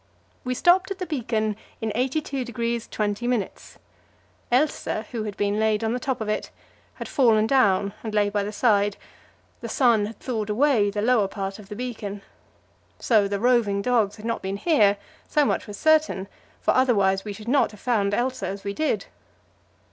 We stopped at the beacon in 82° 20'. Else, who had been laid on the top of it, had fallen down and lay by the side; the sun had thawed away the lower part of the beacon. So the roving dogs had not been here; so much was certain, for otherwise we should not have found Else as we did.